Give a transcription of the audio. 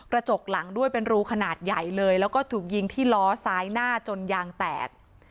จกหลังด้วยเป็นรูขนาดใหญ่เลยแล้วก็ถูกยิงที่ล้อซ้ายหน้าจนยางแตก